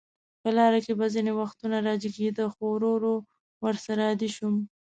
په لاره کې به ځینې وختونه راجګېده، خو ورو ورو ورسره عادي شوم.